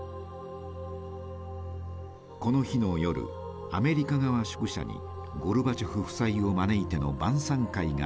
この日の夜アメリカ側宿舎にゴルバチョフ夫妻を招いての晩餐会が開かれました。